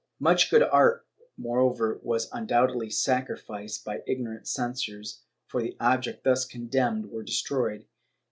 Much good art, moreover, was undoubtedly sacrificed by ignorant censors, for the objects thus condemned were destroyed.